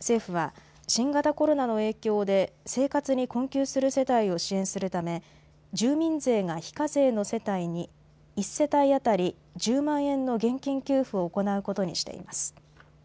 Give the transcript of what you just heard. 政府は新型コロナの影響で生活に困窮する世帯を支援するため住民税が非課税の世帯に１世帯当たり１０万円の現金給付を行うことにしています。